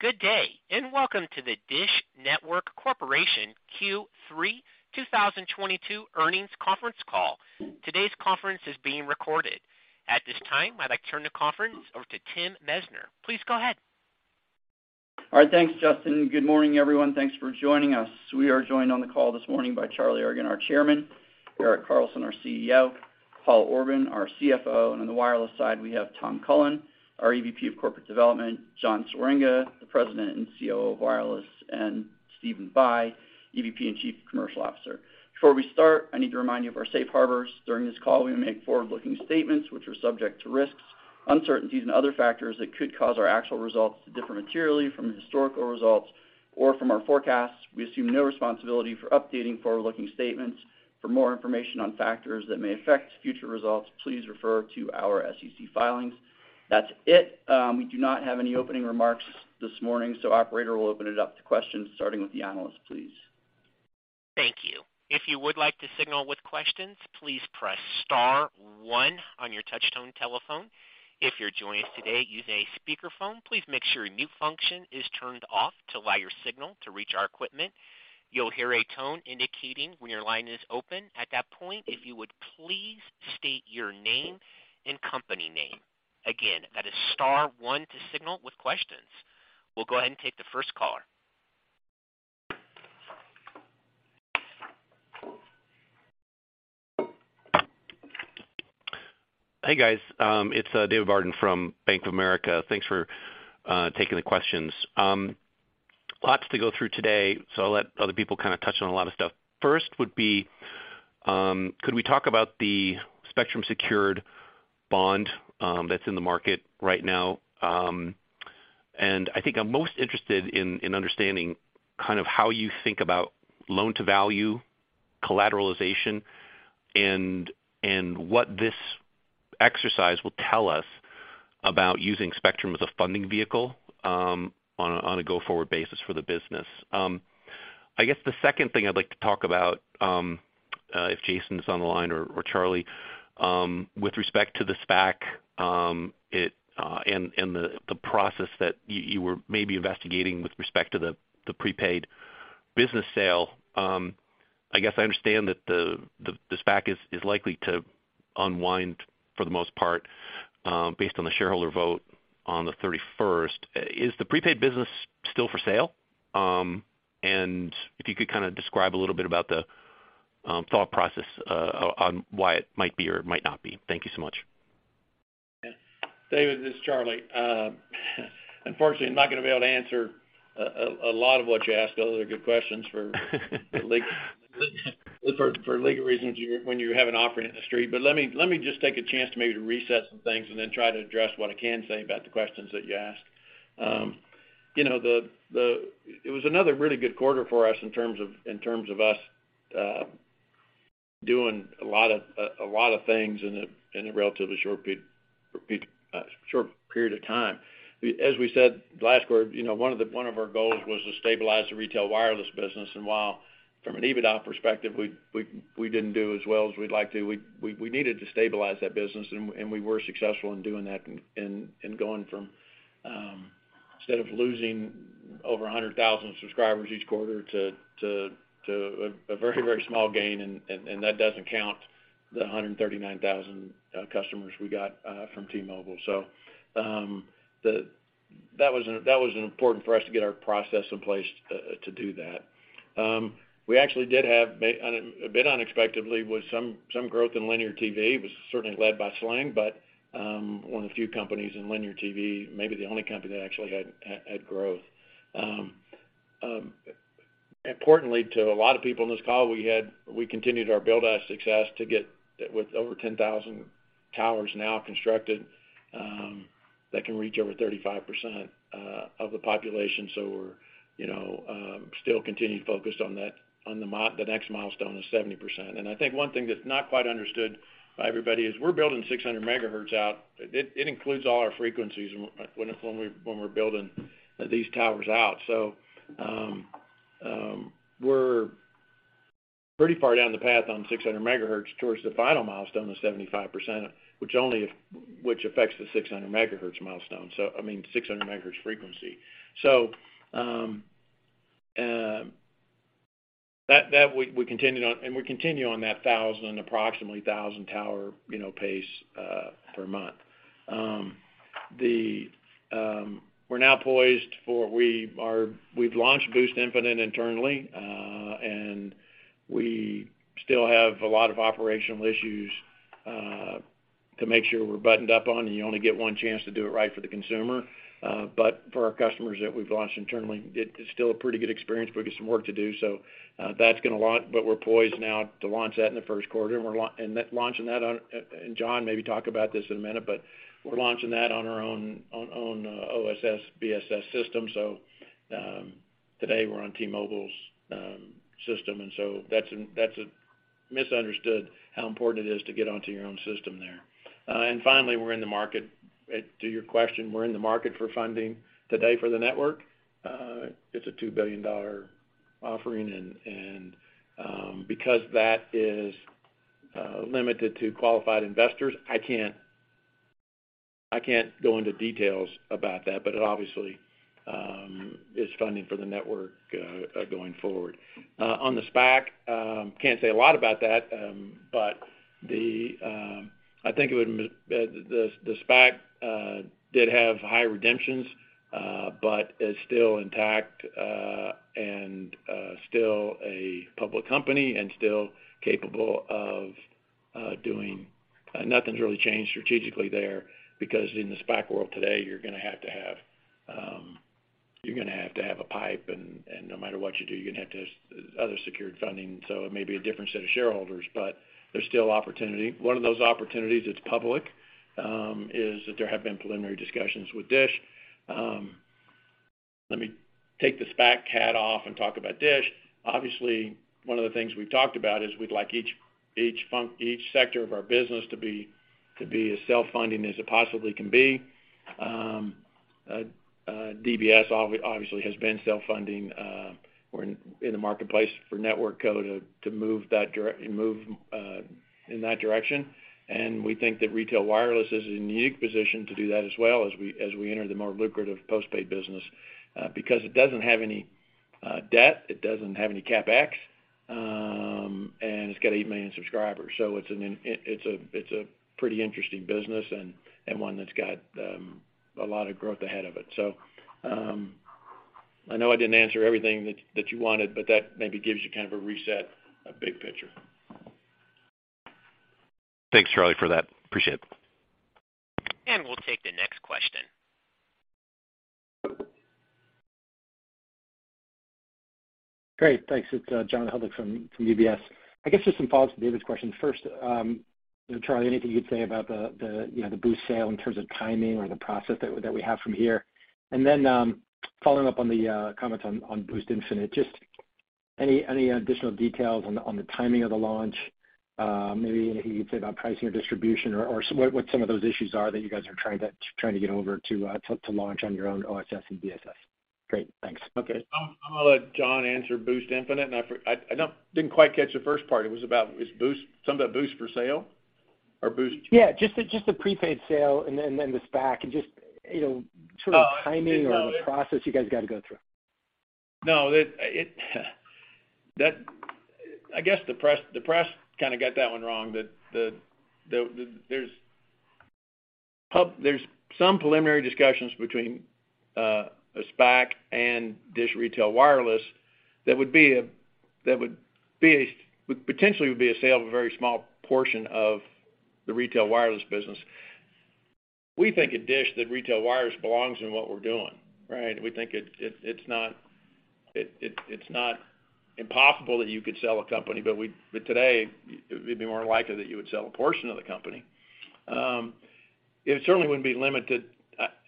Please stand by. Good day, and welcome to the DISH Network Corporation Q3 2022 Earnings Conference Call. Today's conference is being recorded. At this time, I'd like to turn the conference over to Timothy Messner. Please go ahead. All right, thanks, Justin. Good morning, everyone. Thanks for joining us. We are joined on the call this morning by Charlie Ergen, our Chairman, W. Erik Carlson, our CEO, Paul Orban, our CFO, and on the wireless side, we have Tom Cullen, our EVP of Corporate Development, John Swieringa, the President and COO of Wireless, and Stephen Bye, EVP and Chief Commercial Officer. Before we start, I need to remind you of our safe harbors. During this call, we make forward-looking statements which are subject to risks, uncertainties and other factors that could cause our actual results to differ materially from the historical results or from our forecasts. We assume no responsibility for updating forward-looking statements. For more information on factors that may affect future results, please refer to our SEC filings. That's it. We do not have any opening remarks this morning, so operator will open it up to questions, starting with the analysts, please. Thank you. If you would like to signal with questions, please press star one on your touchtone telephone. If you're joining us today using a speakerphone, please make sure your mute function is turned off to allow your signal to reach our equipment. You'll hear a tone indicating when your line is open. At that point, if you would please state your name and company name. Again, that is star one to signal with questions. We'll go ahead and take the first caller. Hey, guys. It's David Barden from Bank of America. Thanks for taking the questions. Lots to go through today, so I'll let other people kind of touch on a lot of stuff. First would be, could we talk about the spectrum secured bond that's in the market right now? I think I'm most interested in understanding kind of how you think about loan-to-value collateralization and what this exercise will tell us about using spectrum as a funding vehicle on a go-forward basis for the business. I guess the second thing I'd like to talk about, if Jason's on the line or Charlie, with respect to the SPAC, and the process that you were maybe investigating with respect to the prepaid business sale, I guess I understand that the SPAC is likely to unwind for the most part, based on the shareholder vote on the thirty-first. Is the prepaid business still for sale? If you could kinda describe a little bit about the thought process on why it might be or might not be. Thank you so much. David, this is Charlie. Unfortunately, I'm not gonna be able to answer a lot of what you asked. Those are good questions for legal reasons when you have an offering in the Street. Let me just take a chance to maybe reset some things and then try to address what I can say about the questions that you asked. You know, it was another really good quarter for us in terms of us doing a lot of things in a relatively short period of time. As we said last quarter, you know, one of our goals was to stabilize the retail wireless business, and while from an EBITDA perspective, we didn't do as well as we'd like to, we needed to stabilize that business and we were successful in doing that in going from instead of losing over 100,000 subscribers each quarter to a very small gain, and that doesn't count the 139,000 customers we got from T-Mobile. That was an important for us to get our process in place to do that. We actually did have a bit unexpectedly some growth in linear TV. It was certainly led by Sling, but one of the few companies in linear TV, maybe the only company that actually had growth. Importantly to a lot of people in this call, we continued our build out success together with over 10,000 towers now constructed, that can reach over 35% of the population. We're still continuing focused on that, the next milestone is 70%. I think one thing that's not quite understood by everybody is we're building 600 MHz out. It includes all our frequencies when we're building these towers out. We're pretty far down the path on 600 MHz towards the final milestone of 75%, which affects the 600 MHz milestone. I mean, 600 MHz frequency. We continued on, and we continue on that approximately 1,000-tower pace per month, you know. We've launched Boost Infinite internally, and we still have a lot of operational issues to make sure we're buttoned up on and you only get one chance to do it right for the consumer. For our customers that we've launched internally, it is still a pretty good experience. We've got some work to do, so that's gonna launch. We're poised now to launch that in the first quarter, and John maybe talk about this in a minute, but we're launching that on our own OSS/BSS system. Today we're on T-Mobile's system, and that's a misunderstanding how important it is to get onto your own system there. Finally, we're in the market. To your question, we're in the market for funding today for the network. It's a $2 billion offering and because that is limited to qualified investors, I can't go into details about that, but it obviously is funding for the network going forward. On the SPAC, can't say a lot about that, but the The SPAC did have high redemptions, but is still intact, and still a public company and still capable of doing. Nothing's really changed strategically there because in the SPAC world today, you're gonna have to have a pipe, and no matter what you do, you're gonna have to have other secured funding. It may be a different set of shareholders, but there's still opportunity. One of those opportunities that's public is that there have been preliminary discussions with DISH. Let me take the SPAC hat off and talk about DISH. Obviously, one of the things we've talked about is we'd like each sector of our business to be as self-funding as it possibly can be. DBS obviously has been self-funding. We're in the marketplace for network build to move in that direction. We think that retail wireless is in a unique position to do that as well as we enter the more lucrative postpaid business because it doesn't have any debt, it doesn't have any CapEx, and it's got eight million subscribers. It's a pretty interesting business and one that's got a lot of growth ahead of it. I know I didn't answer everything that you wanted, but that maybe gives you kind of a reset, a big picture. Thanks, Charlie, for that. Appreciate it. We'll take the next question. Great. Thanks. It's John Hodulik from UBS. I guess just some follows to David's question. First, Charlie, anything you'd say about the Boost sale in terms of timing or the process that we have from here? And then, following up on the comments on Boost Infinite, just any additional details on the timing of the launch, maybe anything you'd say about pricing or distribution or what some of those issues are that you guys are trying to get over to launch on your own OSS and BSS? Great. Thanks. Okay. I'm gonna let John answer Boost Infinite. I didn't quite catch the first part. It was about, is Boost something about Boost for sale or Boost? Yeah, just the prepaid sale and then the SPAC and just, you know, sort of timing or the process you guys got to go through. No, I guess the press kind of got that one wrong. There's some preliminary discussions between a SPAC and DISH Retail Wireless that would potentially be a sale of a very small portion of the retail wireless business. We think at DISH that retail wireless belongs in what we're doing, right? We think it's not impossible that you could sell a company, but today it would be more likely that you would sell a portion of the company. It certainly wouldn't be limited.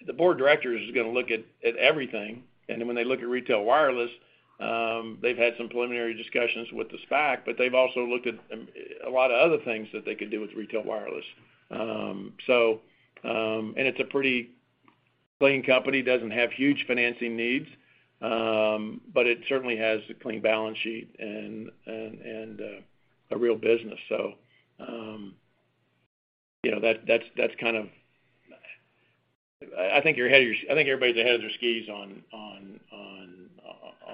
The board of directors is gonna look at everything. Then when they look at retail wireless, they've had some preliminary discussions with the SPAC, but they've also looked at a lot of other things that they could do with retail wireless. It's a pretty clean company, doesn't have huge financing needs, but it certainly has a clean balance sheet and a real business. You know, that's kind of... I think everybody's ahead of their skis on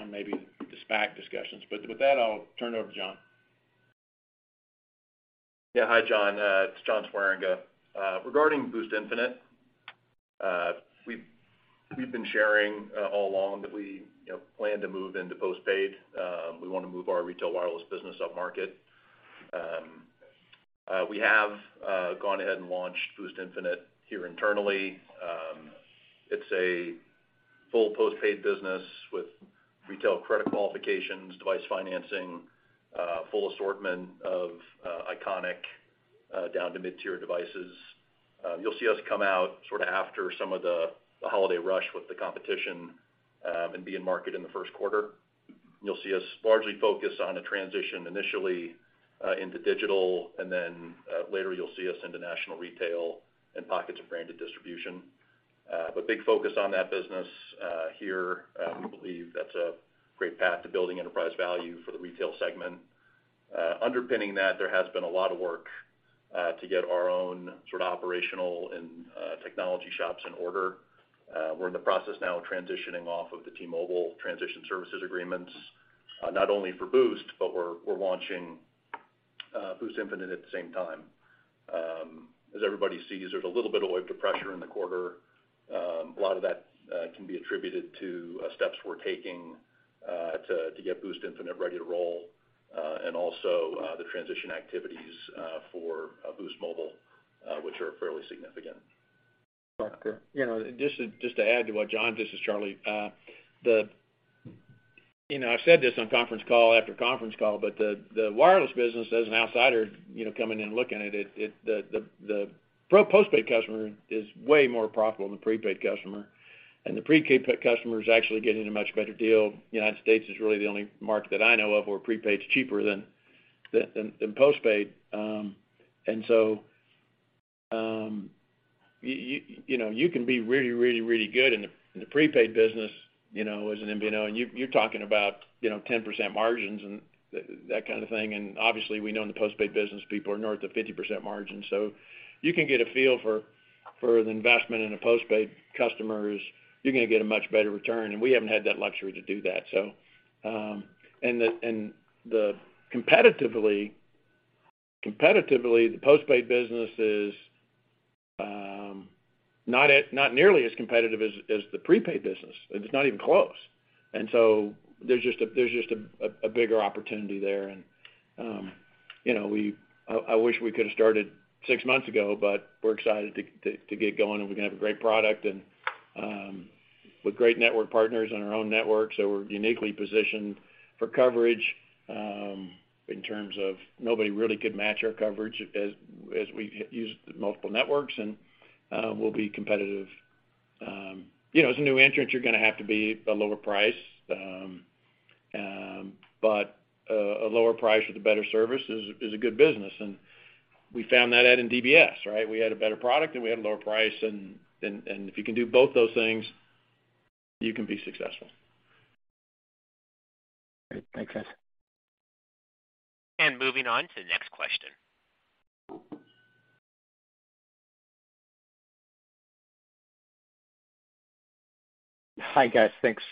maybe the SPAC discussions. With that, I'll turn it over to John. Yeah. Hi, John. It's John Swieringa. Regarding Boost Infinite, we've been sharing all along that we, you know, plan to move into postpaid. We wanna move our retail wireless business upmarket. We have gone ahead and launched Boost Infinite here internally. It's a full postpaid business with retail credit qualifications, device financing, full assortment of iconic down to mid-tier devices. You'll see us come out sort of after some of the holiday rush with the competition, and be in market in the first quarter. You'll see us largely focus on a transition initially into digital, and then later you'll see us into national retail and pockets of branded distribution. Big focus on that business here. We believe that's a great path to building enterprise value for the retail segment. Underpinning that, there has been a lot of work to get our own sort of operational and technology shops in order. We're in the process now of transitioning off of the T-Mobile transition services agreements, not only for Boost, but we're launching Boost Infinite at the same time. As everybody sees, there's a little bit of pressure in the quarter. A lot of that can be attributed to steps we're taking to get Boost Infinite ready to roll, and also the transition activities for Boost Mobile, which are fairly significant. You know, just to add to what John. This is Charlie. You know, I've said this on conference call after conference call, but the wireless business as an outsider, you know, coming in looking at it, the postpaid customer is way more profitable than the prepaid customer, and the prepaid customer is actually getting a much better deal. United States is really the only market that I know of where prepaid is cheaper than postpaid. You know, you can be really good in the prepaid business, you know, as an MVNO, and you're talking about, you know, 10% margins and that kind of thing. Obviously we know in the postpaid business, people are north of 50% margins. You can get a feel for the investment in postpaid customers. You're gonna get a much better return, and we haven't had that luxury to do that. Competitively, the postpaid business is not nearly as competitive as the prepaid business, and it's not even close. There's just a bigger opportunity there. You know, I wish we could have started six months ago, but we're excited to get going and we're gonna have a great product with great network partners on our own network. We're uniquely positioned for coverage in terms of nobody really could match our coverage as we use multiple networks, and we'll be competitive. You know, as a new entrant, you're gonna have to be a lower price. A lower price with a better service is a good business. We found that out in DBS, right? We had a better product and we had a lower price, and if you can do both those things, you can be successful. Great. Thanks, Charlie. Moving on to the next question. Hi, guys. Thanks.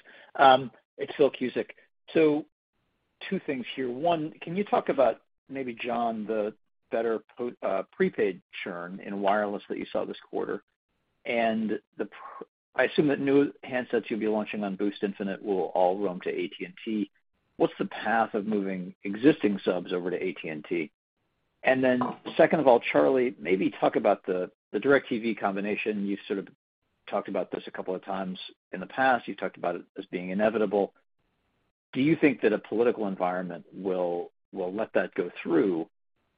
It's Philip Cusick. Two things here. One, can you talk about, maybe John, the better prepaid churn in wireless that you saw this quarter? I assume that new handsets you'll be launching on Boost Infinite will all roam to AT&T. What's the path of moving existing subs over to AT&T? Second of all, Charlie, maybe talk about the DIRECTV combination. You've sort of talked about this a couple of times in the past. You've talked about it as being inevitable. Do you think that a political environment will let that go through?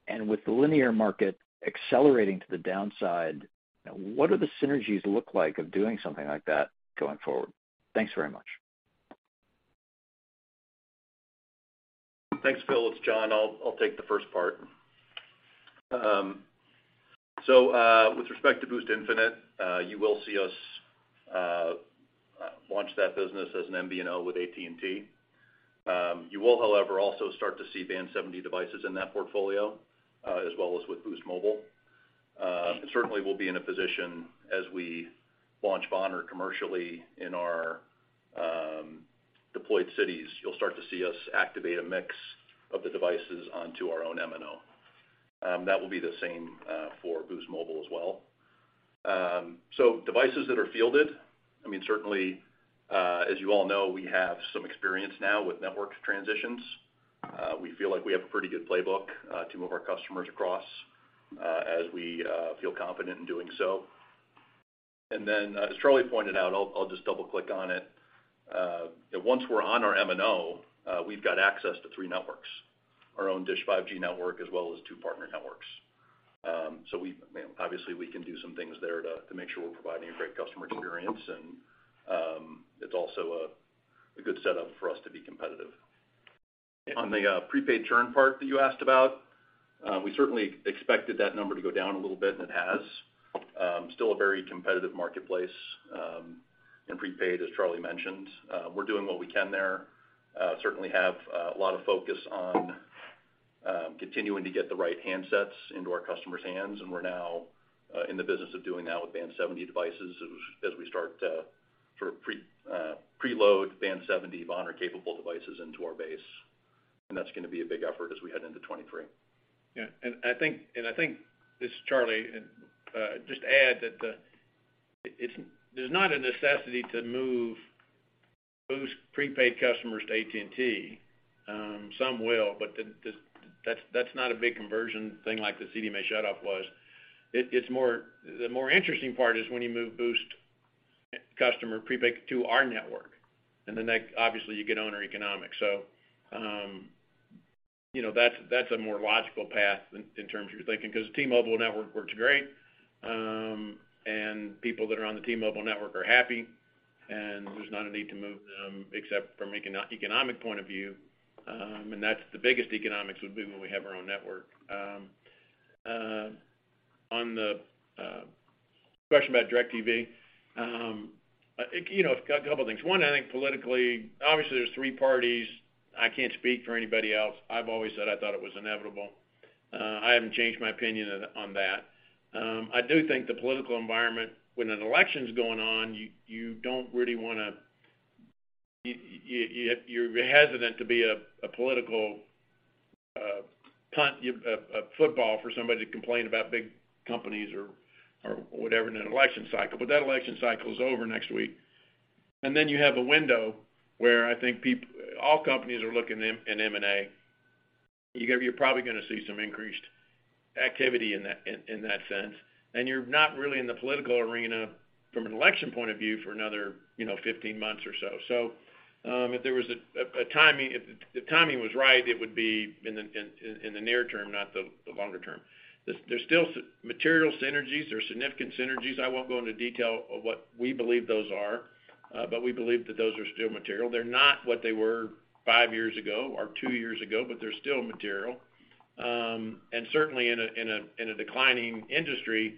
With the linear market accelerating to the downside, what are the synergies look like of doing something like that going forward? Thanks very much. Thanks, Phil. It's John. I'll take the first part. With respect to Boost Infinite, you will see us launch that business as an MVNO with AT&T. You will, however, also start to see Band 70 devices in that portfolio, as well as with Boost Mobile. Certainly we'll be in a position as we launch our network commercially in our deployed cities. You'll start to see us activate a mix of the devices onto our own MNO. That will be the same for Boost Mobile as well. Devices that are fielded, I mean, certainly, as you all know, we have some experience now with network transitions. We feel like we have a pretty good playbook to move our customers across as we feel confident in doing so. As Charlie pointed out, I'll just double-click on it. Once we're on our MNO, we've got access to three networks, our own Dish 5G network, as well as two partner networks. Obviously, we can do some things there to make sure we're providing a great customer experience and it's also a good setup for us to be competitive. On the prepaid churn part that you asked about, we certainly expected that number to go down a little bit, and it has. Still a very competitive marketplace in prepaid, as Charlie mentioned. We're doing what we can there. Certainly have a lot of focus on continuing to get the right handsets into our customers' hands, and we're now in the business of doing that with Band n70 devices as we start to sort of preload Band n70 VoNR capable devices into our base. That's gonna be a big effort as we head into 2023. Yeah. I think this is Charlie, just to add that there's not a necessity to move those prepaid customers to AT&T. Some will, but that's not a big conversion thing like the CDMA shut off was. The more interesting part is when you move Boost customer prepaid to our network, and then obviously you get owner economics. You know, that's a more logical path in terms of your thinking, 'cause T-Mobile network works great, and people that are on the T-Mobile network are happy, and there's not a need to move them except from economic point of view. That's the biggest economics would be when we have our own network. On the question about DIRECTV, you know, a couple of things. One, I think politically, obviously there's three parties. I can't speak for anybody else. I've always said I thought it was inevitable. I haven't changed my opinion on that. I do think the political environment when an election's going on, you don't really want to be a political football for somebody to complain about big companies or whatever in an election cycle. But that election cycle is over next week. Then you have a window where I think all companies are looking in M&A. You're probably going to see some increased activity in that sense. You're not really in the political arena from an election point of view for another 15 months or so. If the timing was right, it would be in the near term, not the longer term. There's still some material synergies. There's significant synergies. I won't go into detail of what we believe those are, but we believe that those are still material. They're not what they were five years ago or two years ago, but they're still material. Certainly in a declining industry,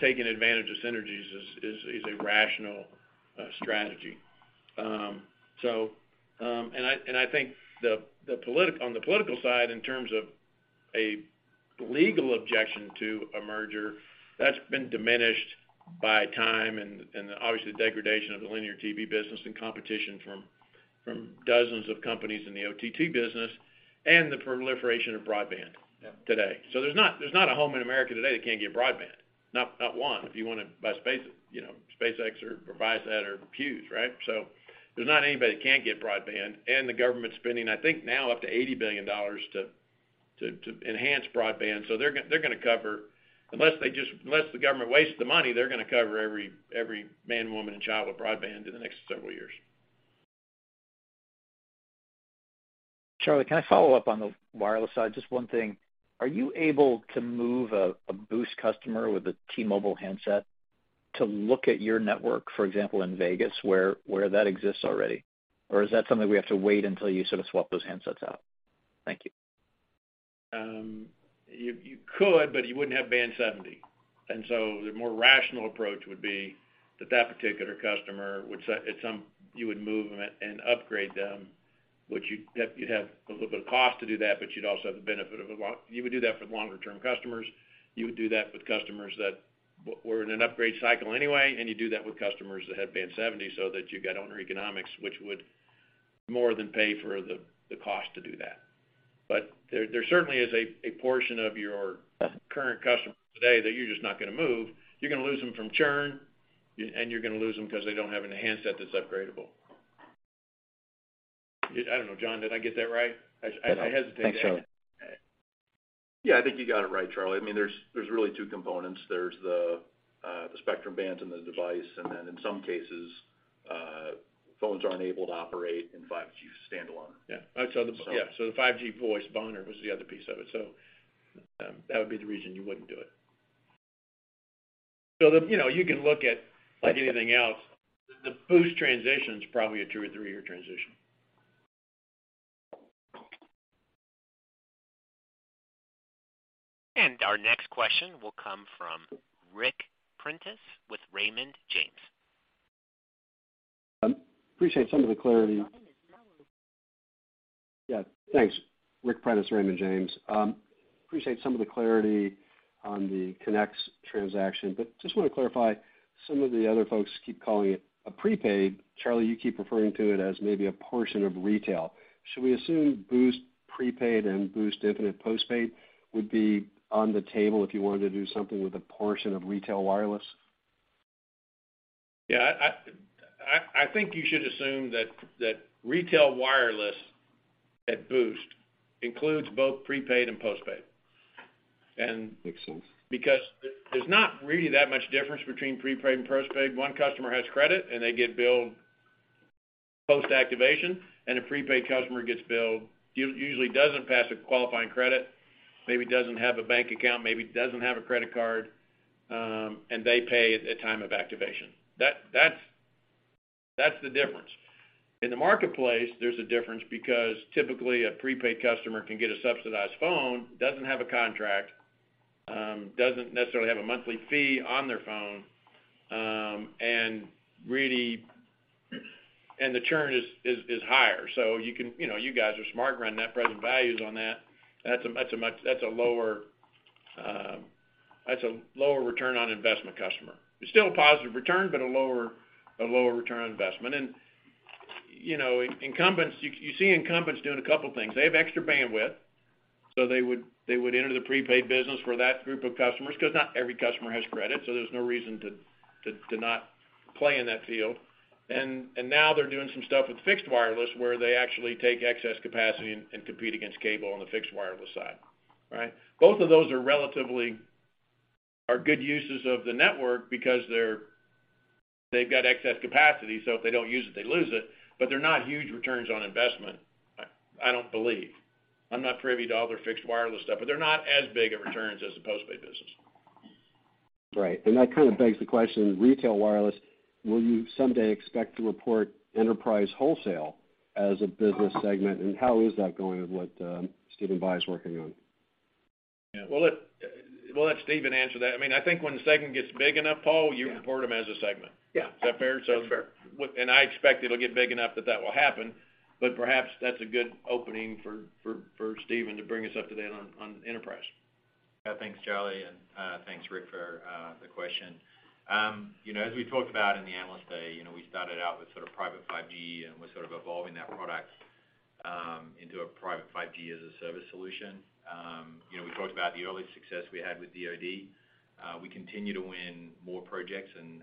taking advantage of synergies is a rational strategy. On the political side, in terms of a legal objection to a merger, that's been diminished by time and obviously the degradation of the linear TV business and competition from dozens of companies in the OTT business and the proliferation of broadband today. There's not a home in America today that can't get broadband. Not one if you wanna buy SpaceX, you know, SpaceX or Viasat or Hughes, right? There's not anybody that can't get broadband, and the government spending, I think now up to $80 billion to enhance broadband. They're gonna cover every man, woman, and child with broadband in the next several years unless the government wastes the money. Charlie, can I follow up on the wireless side? Just one thing. Are you able to move a Boost customer with a T-Mobile handset to look at your network, for example, in Vegas, where that exists already? Or is that something we have to wait until you sort of swap those handsets out? Thank you. You could, but you wouldn't have Band n70. The more rational approach would be that particular customer would set at some. You would move them and upgrade them, which you'd have a little bit of cost to do that, but you'd also have the benefit of a long. You would do that for the longer term customers, you would do that with customers that were in an upgrade cycle anyway, and you do that with customers that had Band n70, so that you got O-RAN economics, which would more than pay for the cost to do that. There certainly is a portion of your current customers today that you're just not gonna move. You're gonna lose them from churn, and you're gonna lose them 'cause they don't have any handset that's upgradable. I don't know, John, did I get that right? I hesitate to- Thanks, Charlie. Yeah, I think you got it right, Charlie. I mean, there's really two components. There's the spectrum bands and the device, and then in some cases, phones aren't able to operate in 5G standalone. The 5G VoNR was the other piece of it. That would be the reason you wouldn't do it. You know, you can look at, like anything else, the Boost transition is probably a two-year or three-year transition. Our next question will come from Ric Prentiss with Raymond James. Appreciate some of the clarity. Yeah, thanks. Ric Prentiss, Raymond James. Appreciate some of the clarity on the Conx transaction, but just wanna clarify, some of the other folks keep calling it a prepaid. Charlie, you keep referring to it as maybe a portion of retail. Should we assume Boost prepaid and Boost Infinite postpaid would be on the table if you wanted to do something with a portion of retail wireless? Yeah, I think you should assume that retail wireless at Boost includes both prepaid and postpaid. Makes sense. Because there's not really that much difference between prepaid and postpaid. One customer has credit, and they get billed post-activation, and a prepaid customer gets billed, usually doesn't pass a qualifying credit, maybe doesn't have a bank account, maybe doesn't have a credit card, and they pay at time of activation. That's the difference. In the marketplace, there's a difference because typically a prepaid customer can get a subsidized phone, doesn't have a contract, doesn't necessarily have a monthly fee on their phone, and really the churn is higher. You know, you guys are smart running net present values on that. That's a lower return on investment customer. It's still a positive return, but a lower return on investment. You know, incumbents, you see incumbents doing a couple of things. They have extra bandwidth, so they would enter the prepaid business for that group of customers because not every customer has credit, so there's no reason to not play in that field. Now they're doing some stuff with fixed wireless where they actually take excess capacity and compete against cable on the fixed wireless side, right? Both of those are relatively good uses of the network because they've got excess capacity, so if they don't use it, they lose it, but they're not huge returns on investment, I don't believe. I'm not privy to all their fixed wireless stuff, but they're not as big a returns as the postpaid business. Right. That kind of begs the question, retail wireless, will you someday expect to report enterprise wholesale as a business segment? How is that going with what Stephen Bye is working on? Yeah. We'll let Stephen answer that. I mean, I think when the segment gets big enough, Paul, you report them as a segment. Yeah. Is that fair? That's fair. I expect it'll get big enough that will happen, but perhaps that's a good opening for Stephen to bring us up to date on enterprise. Yeah. Thanks, Charlie, and thanks, Rick, for the question. You know, as we talked about in the Analyst Day, you know, we started out with sort of private 5G, and we're sort of evolving that product into a private 5G as a service solution. You know, we talked about the early success we had with DoD. We continue to win more projects and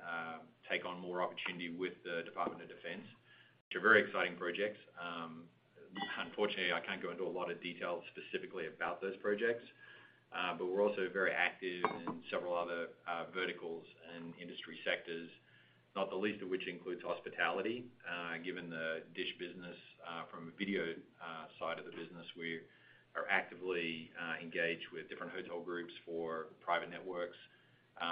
take on more opportunity with the Department of Defense, which are very exciting projects. Unfortunately, I can't go into a lot of detail specifically about those projects, but we're also very active in several other verticals and industry sectors, not the least of which includes hospitality. Given the DISH business from a video side of the business, we are actively engaged with different hotel groups for private networks.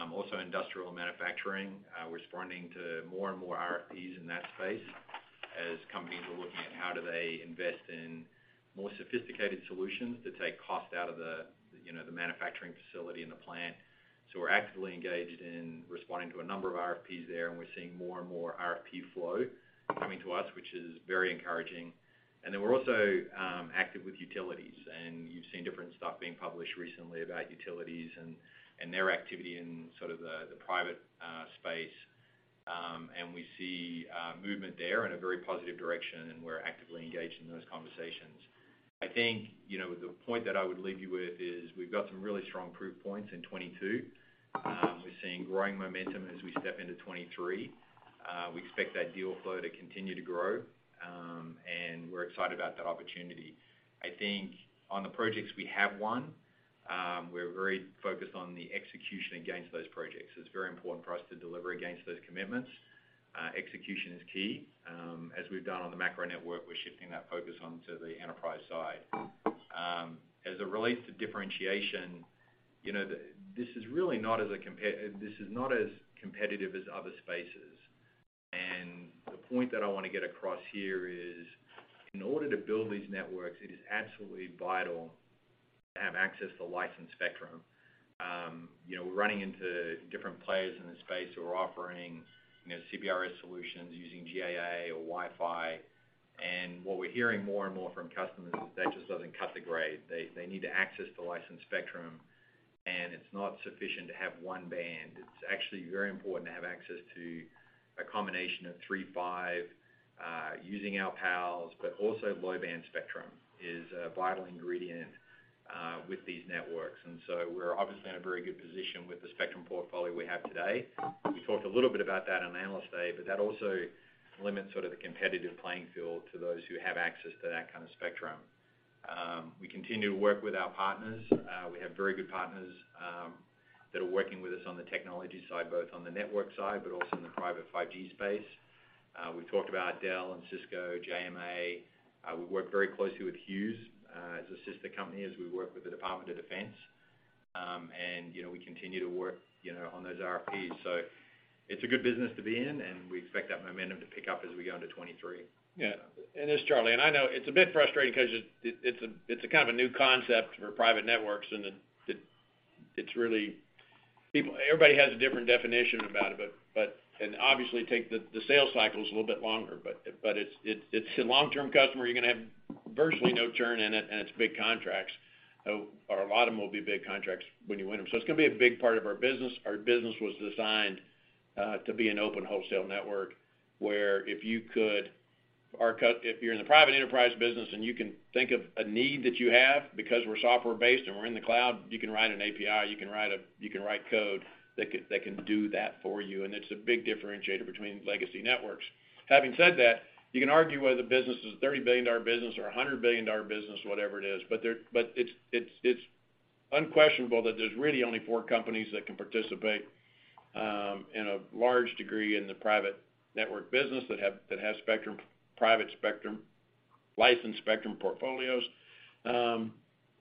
Also industrial manufacturing, we're responding to more and more RFPs in that space. As companies are looking at how do they invest in more sophisticated solutions to take cost out of the, you know, the manufacturing facility and the plant. We're actively engaged in responding to a number of RFPs there, and we're seeing more and more RFP flow coming to us, which is very encouraging. Then we're also active with utilities, and you've seen different stuff being published recently about utilities and their activity in sort of the private space. We see movement there in a very positive direction, and we're actively engaged in those conversations. I think, you know, the point that I would leave you with is we've got some really strong proof points in 2022. We're seeing growing momentum as we step into 2023. We expect that deal flow to continue to grow, and we're excited about that opportunity. I think on the projects we have won, we're very focused on the execution against those projects. It's very important for us to deliver against those commitments. Execution is key. As we've done on the macro network, we're shifting that focus onto the enterprise side. As it relates to differentiation, you know, this is really not as competitive as other spaces. The point that I wanna get across here is, in order to build these networks, it is absolutely vital to have access to licensed spectrum. You know, we're running into different players in the space who are offering, you know, CBRS solutions using GAA or Wi-Fi. What we're hearing more and more from customers is that just doesn't cut the grade. They need to access the licensed spectrum, and it's not sufficient to have one band. It's actually very important to have access to a combination of three, five, using PALs, but also low-band spectrum is a vital ingredient with these networks. We're obviously in a very good position with the spectrum portfolio we have today. We talked a little bit about that on Analyst Day, but that also limits sort of the competitive playing field to those who have access to that kind of spectrum. We continue to work with our partners. We have very good partners that are working with us on the technology side, both on the network side, but also in the private 5G space. We talked about Dell and Cisco, JMA. We work very closely with Hughes as a sister company as we work with the Department of Defense. You know, we continue to work, you know, on those RFPs. It's a good business to be in, and we expect that momentum to pick up as we go into 2023. Yeah. It's Charlie, and I know it's a bit frustrating 'cause it's a kind of a new concept for private networks, and it's really. Everybody has a different definition about it, but. Obviously, the sales cycle is a little bit longer, but it's a long-term customer. You're gonna have virtually no churn in it, and it's big contracts, or a lot of them will be big contracts when you win them. It's gonna be a big part of our business. Our business was designed to be an open wholesale network, where if you're in the private enterprise business and you can think of a need that you have, because we're software-based and we're in the cloud, you can write an API, you can write code that can do that for you, and it's a big differentiator between legacy networks. Having said that, you can argue whether the business is a $30 billion business or a $100 billion business, whatever it is. It's unquestionable that there's really only four companies that can participate in a large degree in the private network business that have spectrum, private spectrum, licensed spectrum portfolios.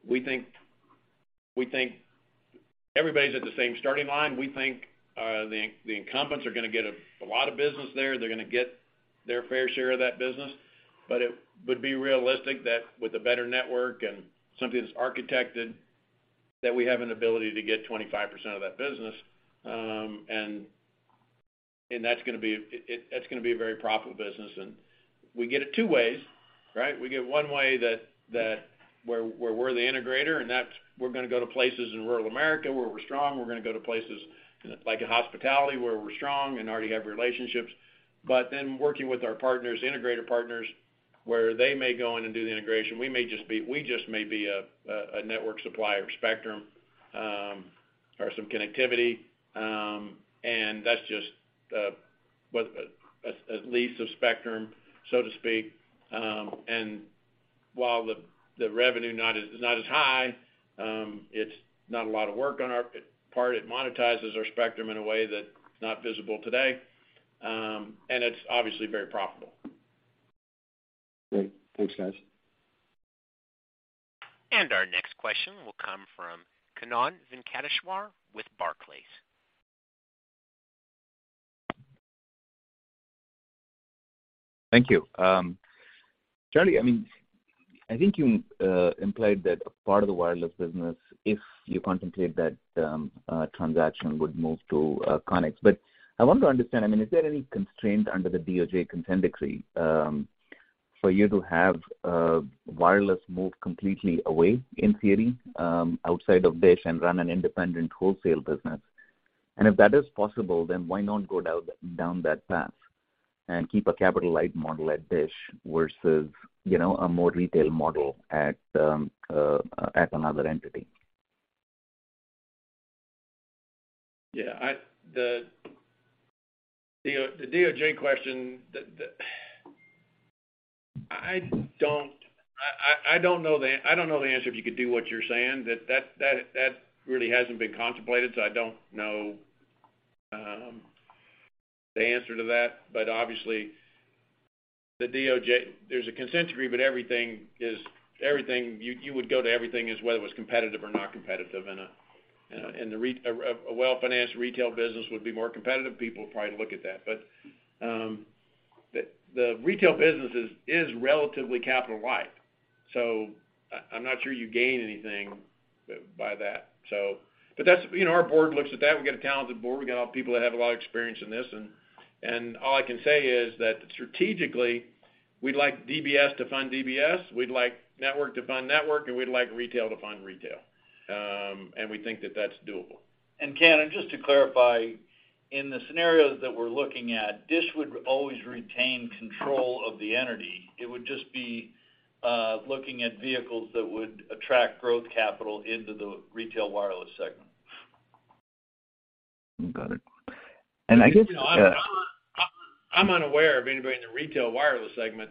We think everybody's at the same starting line. We think the incumbents are gonna get a lot of business there. They're gonna get their fair share of that business. It would be realistic that with a better network and something that's architected, that we have an ability to get 25% of that business. That's gonna be a very profitable business. We get it two ways, right? We get it one way, that where we're the integrator, and that's where we're gonna go to places in rural America where we're strong. We're gonna go to places like in hospitality, where we're strong and already have relationships. Working with our partners, integrator partners, where they may go in and do the integration. We just may be a network supplier of spectrum, or some connectivity, and that's just a lease of spectrum, so to speak. While the revenue not as high, it's not a lot of work on our part. It monetizes our spectrum in a way that's not visible today, and it's obviously very profitable. Great. Thanks, guys. Our next question will come from Kannan Venkateshwar with Barclays. Thank you. Charlie, I mean, I think you implied that a part of the wireless business, if you contemplate that transaction, would move to Conx. I want to understand, I mean, is there any constraint under the DOJ consent decree for you to have wireless move completely away in theory outside of DISH and run an independent wholesale business? If that is possible, then why not go down that path and keep a capital light model at DISH versus, you know, a more retail model at another entity? Yeah, the DOJ question. I don't know the answer if you could do what you're saying. That really hasn't been contemplated, so I don't know the answer to that. But obviously, the DOJ, there's a consent decree, but everything is everything you would go to everything as whether it was competitive or not competitive in. And a well-financed retail business would be more competitive, people would probably look at that. But the retail business is relatively capital light, so I'm not sure you gain anything by that. But that's, you know, our board looks at that. We got a talented board. We got people that have a lot of experience in this. All I can say is that strategically, we'd like DBS to fund DBS, we'd like network to fund network, and we'd like retail to fund retail. We think that that's doable. Kannan, just to clarify, in the scenarios that we're looking at, DISH would always retain control of the entity. It would just be looking at vehicles that would attract growth capital into the retail wireless segment. Got it. I guess. I'm unaware of anybody in the retail wireless segment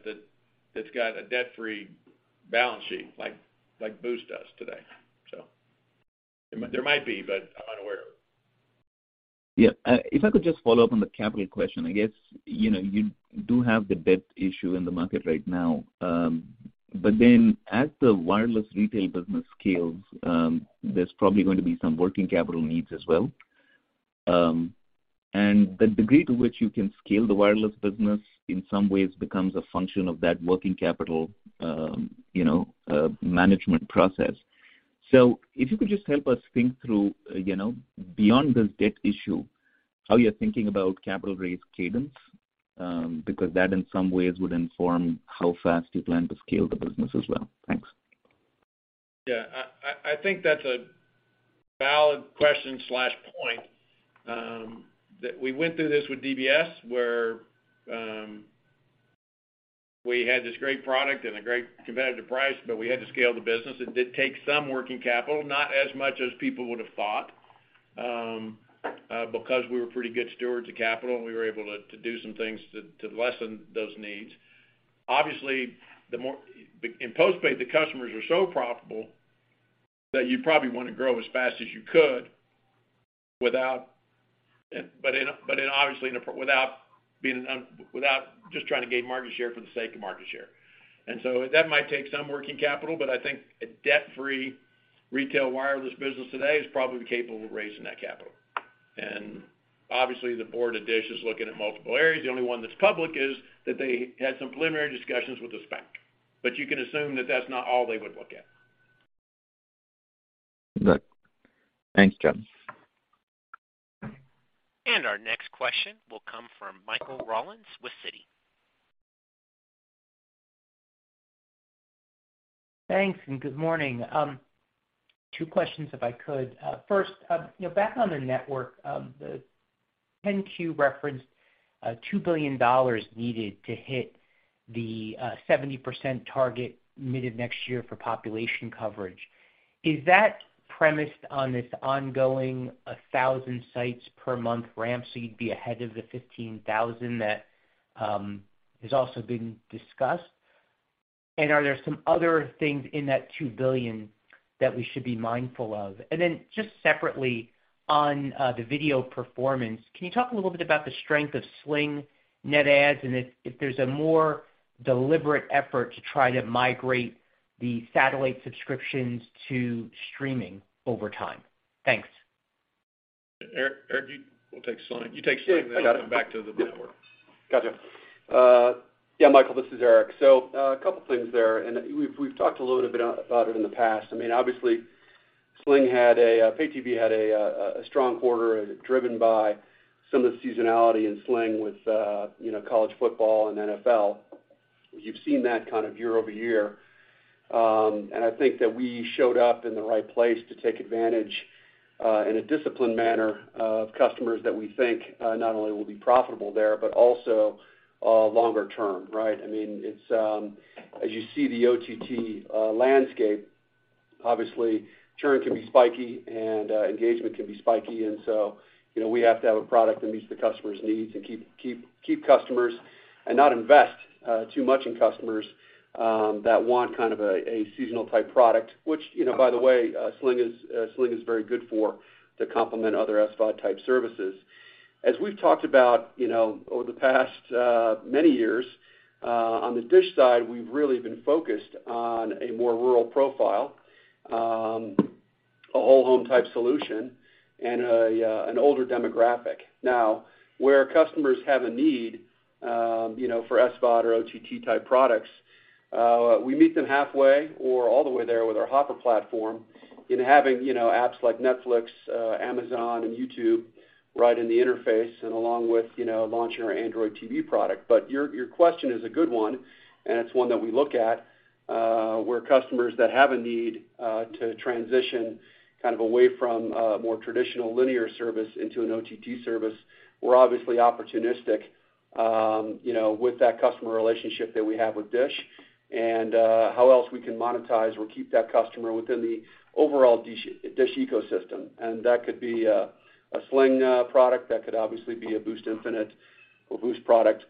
that's got a debt-free balance sheet like Boost does today. There might be, but I'm unaware. Yeah. If I could just follow up on the capital question. I guess, you know, you do have the debt issue in the market right now. As the wireless retail business scales, there's probably going to be some working capital needs as well. The degree to which you can scale the wireless business in some ways becomes a function of that working capital, you know, management process. If you could just help us think through, you know, beyond this debt issue, how you're thinking about capital raise cadence, because that in some ways would inform how fast you plan to scale the business as well. Thanks. Yeah. I think that's a valid question point, that we went through this with DBS, where we had this great product and a great competitive price, but we had to scale the business. It did take some working capital, not as much as people would have thought, because we were pretty good stewards of capital, and we were able to do some things to lessen those needs. Obviously, in postpaid, the customers are so profitable that you probably wanna grow as fast as you could without just trying to gain market share for the sake of market share. That might take some working capital, but I think a debt-free retail wireless business today is probably capable of raising that capital. Obviously the board of DISH is looking at multiple areas. The only one that's public is that they had some preliminary discussions with the bank. You can assume that that's not all they would look at. Good. Thanks, Charlie. Our next question will come from Michael Rollins with Citi. Thanks, good morning. Two questions if I could. First, you know, back on the network, the 10-Q referenced $2 billion needed to hit the 70% target mid of next year for population coverage. Is that premised on this ongoing 1,000 sites per month ramp, so you'd be ahead of the 15,000 that has also been discussed? Are there some other things in that $2 billion that we should be mindful of? Then just separately, on the video performance, can you talk a little bit about the strength of Sling net adds and if there's a more deliberate effort to try to migrate the satellite subscriptions to streaming over time? Thanks. Eric, you will take Sling. You take Sling, then I'll come back to the network. Gotcha. Yeah, Michael, this is Eric. A couple things there, and we've talked a little bit about it in the past. I mean, obviously, pay TV had a strong quarter driven by some of the seasonality in Sling with you know, college football and NFL. You've seen that kind of year-over-year. I think that we showed up in the right place to take advantage in a disciplined manner of customers that we think not only will be profitable there, but also longer term, right? I mean, it's as you see the OTT landscape, obviously, churn can be spiky and engagement can be spiky. You know, we have to have a product that meets the customer's needs and keep customers and not invest too much in customers that want kind of a seasonal type product, which, you know, by the way, Sling is very good for to complement other SVOD type services. As we've talked about, you know, over the past many years, on the DISH side, we've really been focused on a more rural profile, a whole home type solution and an older demographic. Now, where customers have a need, you know, for SVOD or OTT type products, we meet them halfway or all the way there with our Hopper platform in having, you know, apps like Netflix, Amazon and YouTube right in the interface and along with, you know, launching our Android TV product. Your question is a good one, and it's one that we look at, where customers that have a need to transition kind of away from a more traditional linear service into an OTT service. We're obviously opportunistic, you know, with that customer relationship that we have with DISH and how else we can monetize or keep that customer within the overall DISH ecosystem. That could be a Sling product. That could obviously be a Boost Infinite or Boost product.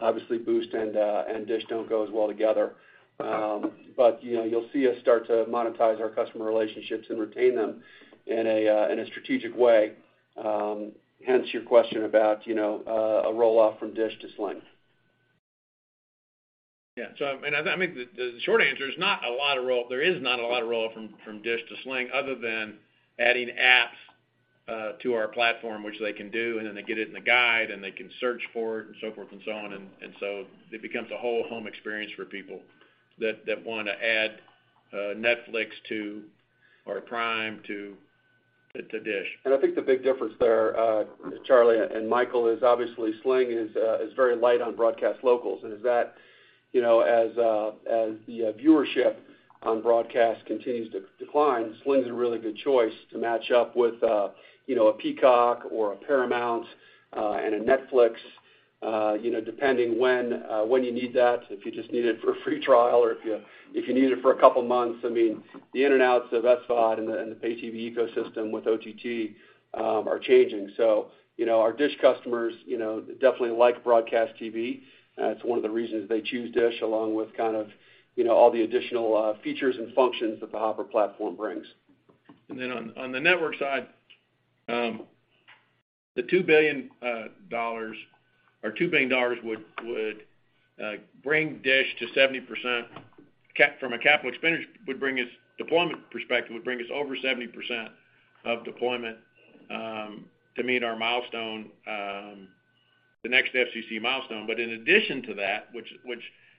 Obviously, Boost and DISH don't go as well together. You know, you'll see us start to monetize our customer relationships and retain them in a strategic way, hence your question about, you know, a roll off from DISH to Sling. I mean, I think the short answer is there is not a lot of role from Dish to Sling other than adding apps to our platform, which they can do, and then they get it in the guide, and they can search for it and so forth and so on. It becomes a whole home experience for people that wanna add Netflix or Prime to Dish. I think the big difference there, Charlie and Michael, is obviously Sling is very light on broadcast locals. That is, you know, as the viewership on broadcast continues to decline, Sling's a really good choice to match up with, you know, a Peacock or a Paramount, and a Netflix, you know, depending when you need that, if you just need it for a free trial or if you need it for a couple months. I mean, the ins and outs of SVOD and the pay TV ecosystem with OTT are changing. You know, our Dish customers, you know, definitely like broadcast TV. It's one of the reasons they choose Dish, along with kind of, you know, all the additional features and functions that the Hopper platform brings. On the network side, the $2 billion would bring DISH to 70% coverage from a capital expenditure perspective. From a deployment perspective, it would bring us over 70% of deployment to meet our milestone, the next FCC milestone. In addition to that, which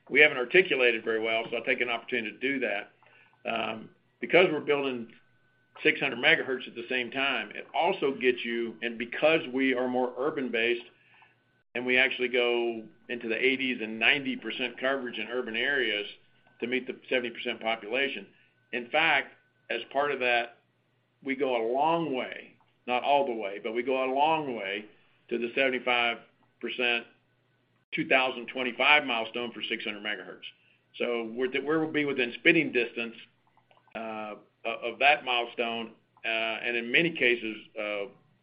we haven't articulated very well, so I'll take an opportunity to do that. Because we're building 600 MHz at the same time, it also gets you. Because we are more urban based, and we actually go into the 80s and 90% coverage in urban areas to meet the 70% population. In fact, as part of that, we go a long way, not all the way, but we go a long way to the 75% 2025 milestone for 600 MHz. Where we'll be within spitting distance of that milestone, and in many cases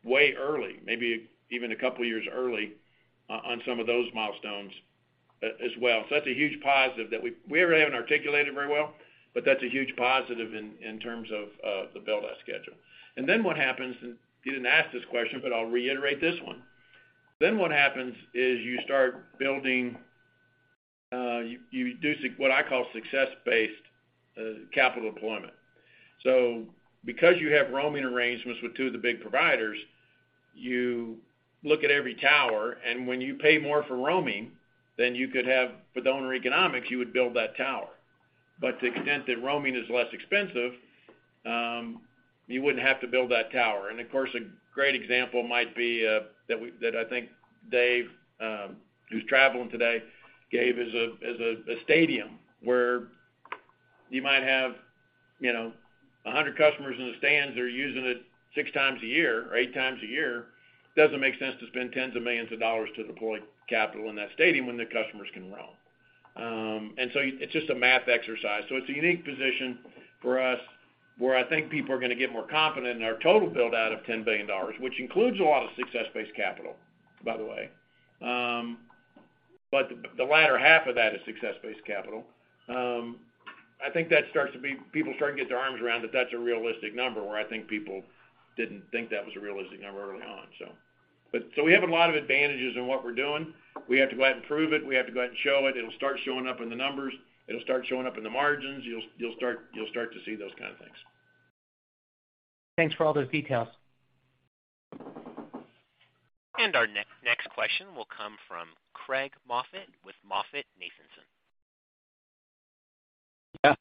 way early, maybe even a couple years early on some of those milestones as well. That's a huge positive that we really haven't articulated very well, but that's a huge positive in terms of the build-out schedule. What happens, and you didn't ask this question, but I'll reiterate this one. What happens is you start building, you do what I call success-based capital deployment. Because you have roaming arrangements with two of the big providers, you look at every tower, and when you pay more for roaming than you could have for the owner economics, you would build that tower. To the extent that roaming is less expensive, you wouldn't have to build that tower. Of course, a great example might be that I think Dave, who's traveling today, gave is a stadium where you might have, you know, 100 customers in the stands that are using it 6x a year or 8x a year. It doesn't make sense to spend tens of millions of dollars to deploy capital in that stadium when the customers can roam. It's just a math exercise. It's a unique position for us, where I think people are gonna get more confident in our total build out of $10 billion, which includes a lot of success-based capital, by the way. The latter half of that is success-based capital. I think people start to get their arms around that that's a realistic number, where I think people didn't think that was a realistic number early on. We have a lot of advantages in what we're doing. We have to go out and prove it. We have to go out and show it. It'll start showing up in the numbers. It'll start showing up in the margins. You'll start to see those kind of things. Thanks for all those details. Our next question will come from Craig Moffett with MoffettNathanson. Yeah.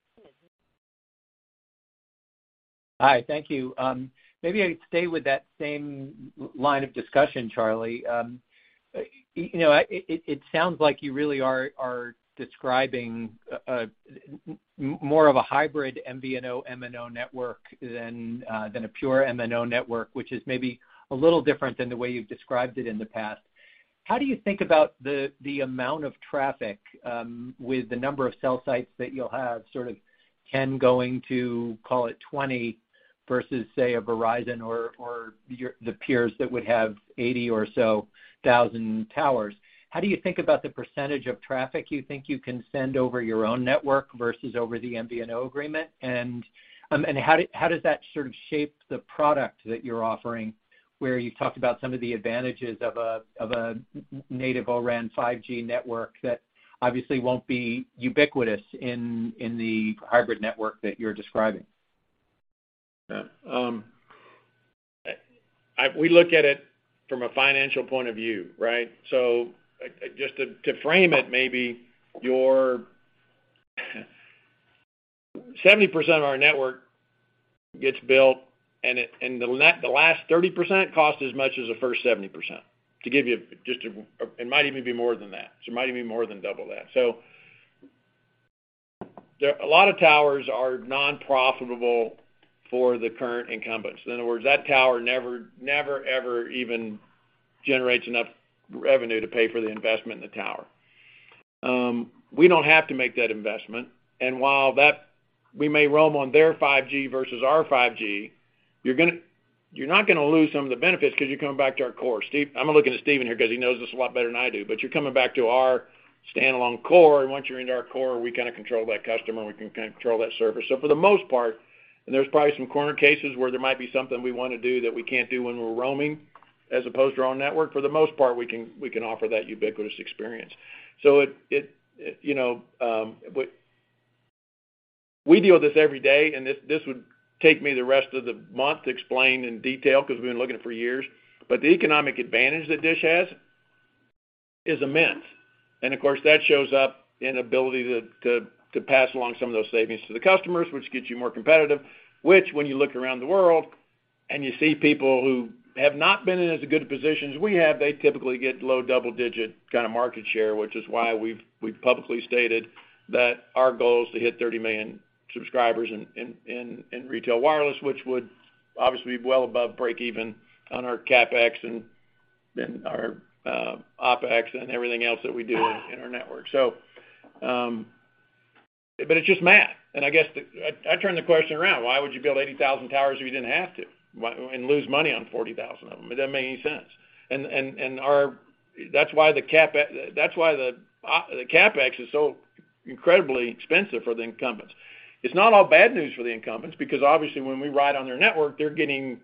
Hi. Thank you. Maybe I'd stay with that same line of discussion, Charlie. You know, it sounds like you really are describing a more of a hybrid MVNO/MNO network than a pure MNO network, which is maybe a little different than the way you've described it in the past. How do you think about the amount of traffic with the number of cell sites that you'll have, sort of 10 going to, call it 20, versus, say, a Verizon or the peers that would have 80,000 or so towers? How do you think about the percentage of traffic you think you can send over your own network versus over the MVNO agreement? How does that sort of shape the product that you're offering, where you talked about some of the advantages of a native O-RAN 5G network that obviously won't be ubiquitous in the hybrid network that you're describing? Yeah. We look at it from a financial point of view, right? Just to frame it maybe, 70% of our network gets built, and the last 30% costs as much as the first 70%. It might even be more than that, so it might even be more than double that. A lot of towers are non-profitable for the current incumbents. In other words, that tower never ever even generates enough revenue to pay for the investment in the tower. We don't have to make that investment. While we may roam on their 5G versus our 5G, you're not gonna lose some of the benefits 'cause you're coming back to our core. Steve, I'm gonna look at Stephen here 'cause he knows this a lot better than I do. You're coming back to our standalone core, and once you're into our core, we kinda control that customer, and we can kinda control that service. For the most part, and there's probably some corner cases where there might be something we wanna do that we can't do when we're roaming. As opposed to our own network, for the most part, we can offer that ubiquitous experience. It, you know, we deal with this every day, and this would take me the rest of the month to explain in detail because we've been looking for years. The economic advantage that DISH has is immense. Of course, that shows up in ability to pass along some of those savings to the customers, which gets you more competitive. Which, when you look around the world and you see people who have not been in as good a position as we have, they typically get low double-digit kind of market share, which is why we've publicly stated that our goal is to hit 30 million subscribers in retail wireless, which would obviously be well above break even on our CapEx and then our OpEx and everything else that we do in our network. But it's just math. I guess I'd turn the question around. Why would you build 80,000 towers if you didn't have to, why and lose money on 40,000 of them? It doesn't make any sense. That's why the CapEx is so incredibly expensive for the incumbents. It's not all bad news for the incumbents because obviously, when we ride on their network, they're getting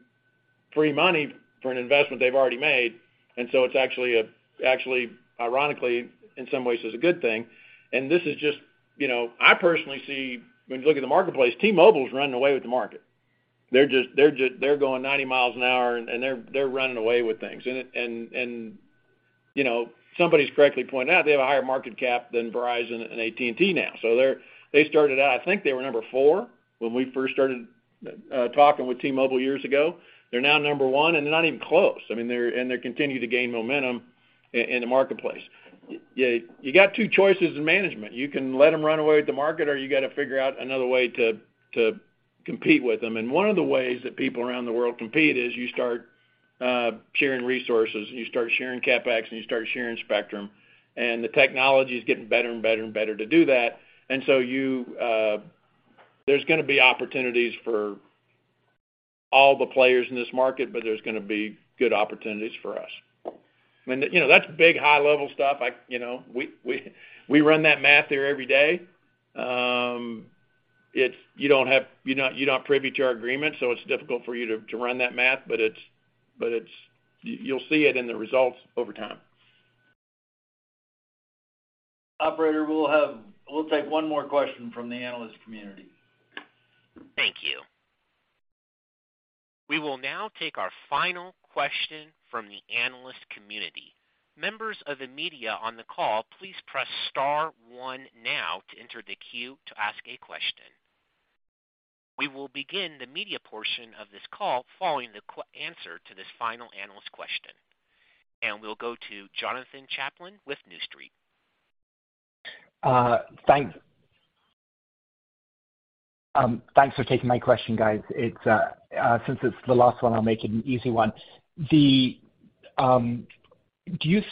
free money for an investment they've already made. It's actually, ironically, in some ways is a good thing. This is just, you know, I personally see when you look at the marketplace, T-Mobile is running away with the market. They're just going 90 mi an hour, and they're running away with things. You know, somebody's correctly pointed out they have a higher market cap than Verizon and AT&T now. They started out, I think they were number four when we first started talking with T-Mobile years ago. They're now number one, and they're not even close. I mean, they continue to gain momentum in the marketplace. You got two choices in management. You can let them run away with the market, or you got to figure out another way to compete with them. One of the ways that people around the world compete is you start sharing resources, you start sharing CapEx, and you start sharing spectrum. The technology is getting better and better and better to do that. So there's gonna be opportunities for all the players in this market, but there's gonna be good opportunities for us. I mean, you know, that's big, high-level stuff. You know, we run that math there every day. You're not privy to our agreement, so it's difficult for you to run that math, but you'll see it in the results over time. Operator, we'll take one more question from the analyst community. Thank you. We will now take our final question from the analyst community. Members of the media on the call, please press star one now to enter the queue to ask a question. We will begin the media portion of this call following the answer to this final analyst question. We'll go to Jonathan Chaplin with New Street. Thanks. Thanks for taking my question, guys. Since it's the last one, I'll make it an easy one. Do you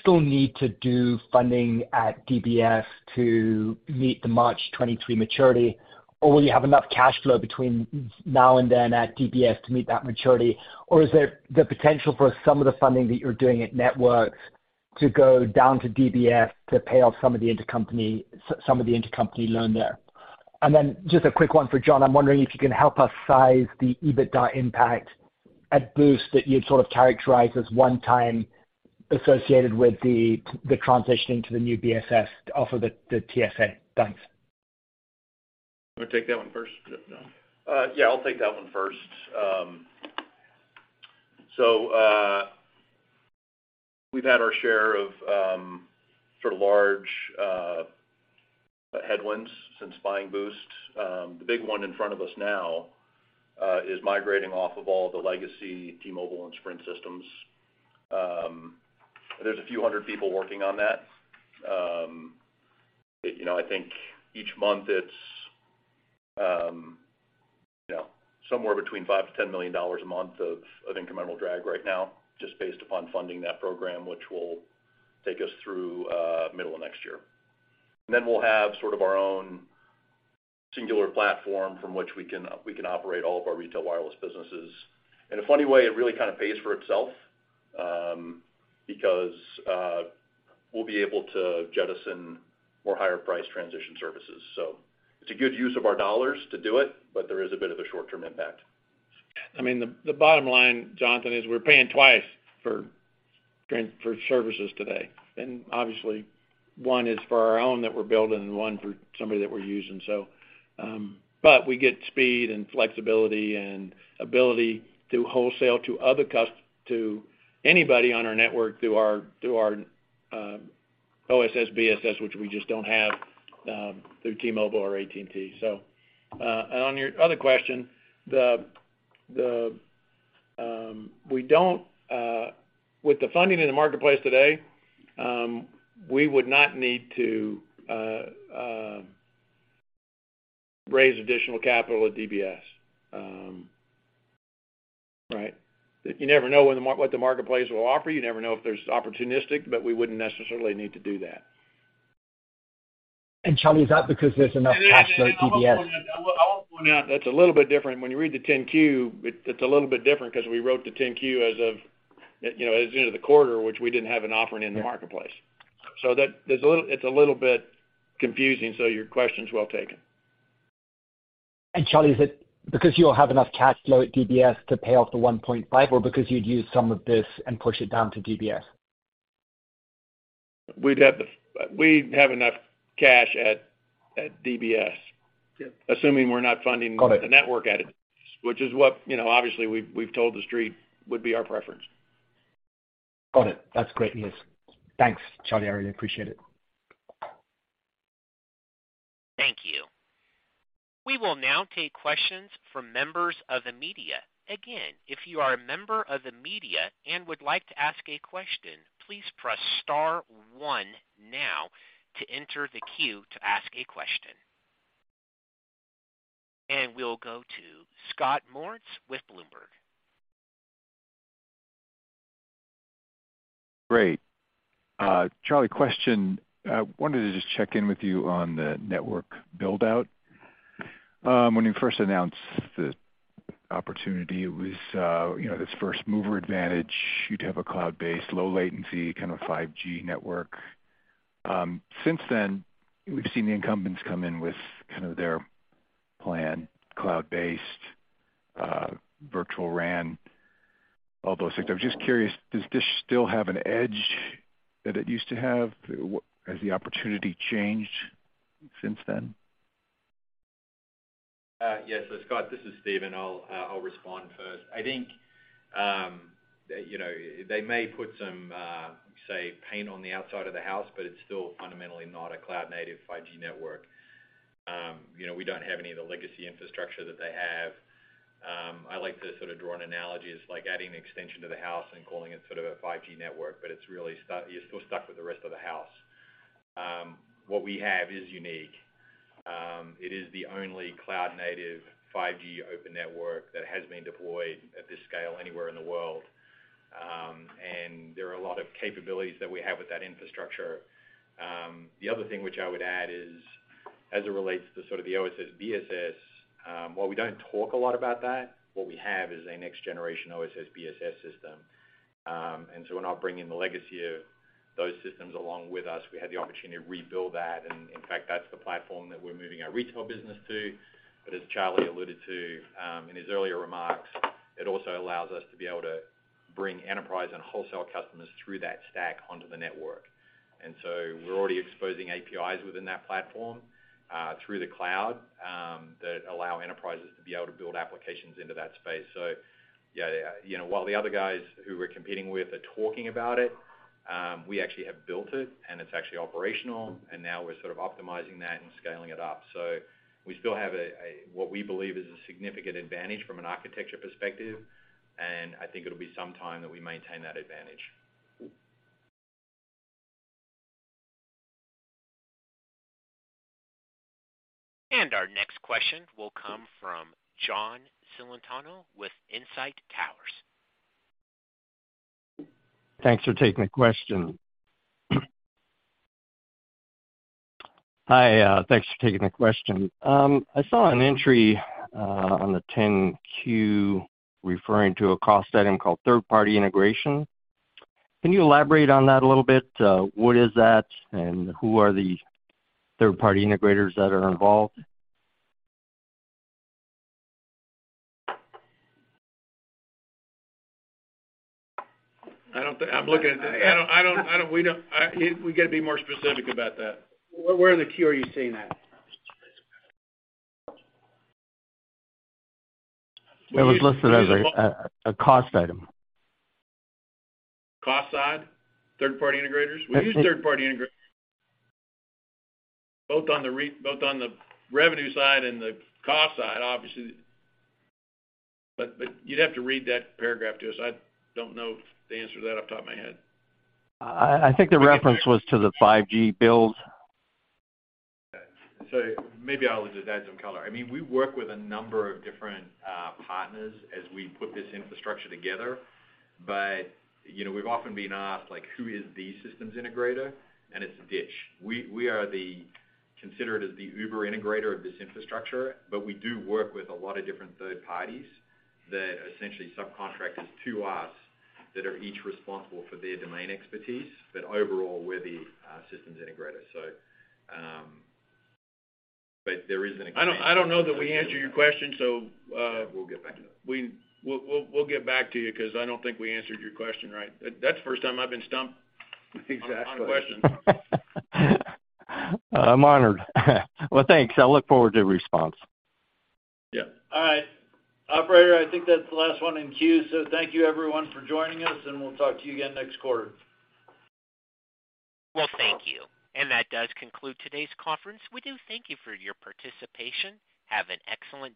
still need to do funding at DBS to meet the March 2023 maturity? Or will you have enough cash flow between now and then at DBS to meet that maturity? Or is there the potential for some of the funding that you're doing at network to go down to DBS to pay off some of the intercompany loan there? Then just a quick one for John. I'm wondering if you can help us size the EBITDA impact at Boost that you'd sort of characterize as one time associated with the transitioning to the new BSS off of the TSA. Thanks. You want to take that one first, John? Yeah, I'll take that one first. We've had our share of, sort of large, headwinds since buying Boost. The big one in front of us now is migrating off of all the legacy T-Mobile and Sprint systems. There's a few hundred people working on that. You know, I think each month it's, you know, somewhere between $5 million-$10 million a month of incremental drag right now, just based upon funding that program, which will take us through middle of next year. We'll have sort of our own singular platform from which we can operate all of our retail wireless businesses. In a funny way, it really kind of pays for itself, because we'll be able to jettison more higher-priced transition services. It's a good use of our dollars to do it, but there is a bit of a short-term impact. The bottom line, Jonathan, is we're paying twice for services today. Obviously, one is for our own that we're building and one for somebody that we're using. We get speed and flexibility and ability to wholesale to anybody on our network through our OSS, BSS, which we just don't have through T-Mobile or AT&T. On your other question, we don't, with the funding in the marketplace today, we would not need to raise additional capital at DBS. Right? You never know what the marketplace will offer. You never know if there's opportunistic, but we wouldn't necessarily need to do that. Charlie, is that because there's enough cash flow at DBS? I'll point out that's a little bit different. When you read the 10-Q, it's a little bit different 'cause we wrote the 10-Q as of, you know, as of the end of the quarter, which we didn't have an offering in the marketplace. That's a little bit confusing, so your question's well taken. Charlie, is it because you'll have enough cash flow at DBS to pay off the $1.5, or because you'd use some of this and push it down to DBS? We have enough cash at DBS. Yeah. Assuming we're not funding. Got it. the network out of it, which is what, you know, obviously we've told the street would be our preference. Got it. That's great. Yes. Thanks, Charlie. I really appreciate it. Thank you. We will now take questions from members of the media. Again, if you are a member of the media and would like to ask a question, please press star one now to enter the queue to ask a question. We'll go to Scott Moritz with Bloomberg. Great. Charlie, question. I wanted to just check in with you on the network build-out. When you first announced the opportunity, it was, you know, this first mover advantage. You'd have a cloud-based, low latency, kind of 5G network. Since then, we've seen the incumbents come in with kind of their plan, cloud-based, virtual RAN, all those things. I'm just curious, does this still have an edge that it used to have? Has the opportunity changed since then? Yes. Scott, this is Stephen. I'll respond first. I think, you know, they may put some say, paint on the outside of the house, but it's still fundamentally not a cloud native 5G network. You know, we don't have any of the legacy infrastructure that they have. I like to sort of draw an analogy. It's like adding an extension to the house and calling it sort of a 5G network, but it's really, you're still stuck with the rest of the house. What we have is unique. It is the only cloud native 5G open network that has been deployed at this scale anywhere in the world. There are a lot of capabilities that we have with that infrastructure. The other thing which I would add is, as it relates to sort of the OSS/BSS, while we don't talk a lot about that, what we have is a next generation OSS/BSS system. We're not bringing the legacy of those systems along with us. We had the opportunity to rebuild that. In fact, that's the platform that we're moving our retail business to. As Charlie alluded to, in his earlier remarks, it also allows us to be able to bring enterprise and wholesale customers through that stack onto the network. We're already exposing APIs within that platform, through the cloud, that allow enterprises to be able to build applications into that space. Yeah, you know, while the other guys who we're competing with are talking about it, we actually have built it and it's actually operational, and now we're sort of optimizing that and scaling it up. We still have what we believe is a significant advantage from an architecture perspective, and I think it'll be some time that we maintain that advantage. Our next question will come from John Celentano with Inside Towers. Thanks for taking the question. I saw an entry on the 10-Q referring to a cost item called third-party integration. Can you elaborate on that a little bit? What is that, and who are the third-party integrators that are involved? I'm looking at it. We gotta be more specific about that. Where in the queue are you seeing that? It was listed as a cost item. Cost side, third-party integrators? Both on the revenue side and the cost side, obviously. But you'd have to read that paragraph to us. I don't know the answer to that off the top of my head. I think the reference was to the 5G build. Maybe I'll just add some color. I mean, we work with a number of different partners as we put this infrastructure together, but, you know, we've often been asked, like, who is the systems integrator? It's DISH. We are considered as the uber integrator of this infrastructure, but we do work with a lot of different third parties that essentially subcontract us to us, that are each responsible for their domain expertise. Overall, we're the systems integrator. There is an- I don't know that we answered your question, so. Yeah, we'll get back to you. We'll get back to you 'cause I don't think we answered your question right. That's the first time I've been stumped. Exactly. on a question. I'm honored. Well, thanks. I look forward to your response. Yeah. All right. Operator, I think that's the last one in queue. Thank you everyone for joining us, and we'll talk to you again next quarter. Well, thank you. That does conclude today's conference. We do thank you for your participation. Have an excellent day.